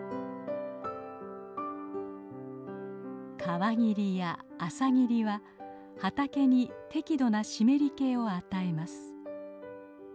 川霧や朝霧は畑に適度な湿り気を与えます。